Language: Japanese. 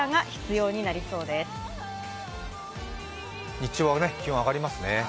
日中は気温が上がりますね。